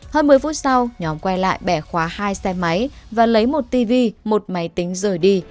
hơn một mươi phút sau nhóm quay lại bẻ khóa hai xe máy và lấy một tv một máy tính rời đi